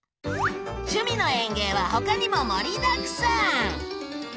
「趣味の園芸」はほかにも盛りだくさん！